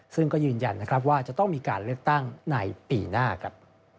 ซึ่งก็ยืนยันนะครับว่าจะต้องมีการเลือกตั้งในปีหน้าครับ